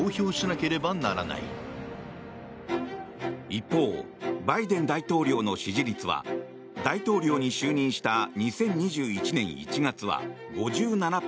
一方、バイデン大統領の支持率は大統領に就任した２０２１年１月は５７％。